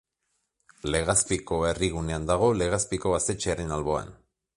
Legazpiko herrigunean dago, Legazpiko gaztetxearen alboan.